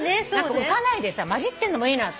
浮かないで交じってるのもいいなと。